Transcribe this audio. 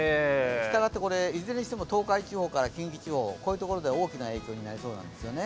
したがって、いずれにしても東海地方から近畿地方はこういうところで大きな影響になりそうなんですよね。